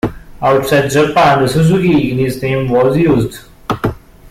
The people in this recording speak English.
Outside Japan, the "Suzuki Ignis" name was used.